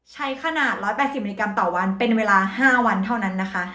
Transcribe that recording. ขนาด๑๘๐มิลลิกรัมต่อวันเป็นเวลา๕วันเท่านั้นนะคะ